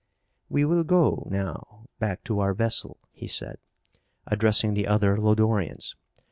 "We will go, now, back to our vessel," he said, addressing the other Lodorians.